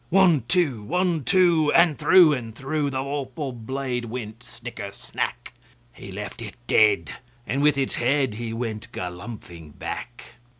One, two! One, two! And through and throughThe vorpal blade went snicker snack! He left it dead, and with its headHe went galumphing back.